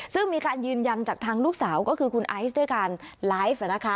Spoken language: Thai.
ซึ่งมีการยืนยันจากทางลูกสาวก็คือคุณไอซ์ด้วยการไลฟ์